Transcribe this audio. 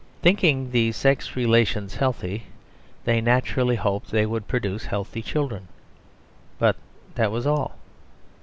Thinking these sex relations healthy, they naturally hoped they would produce healthy children; but that was all.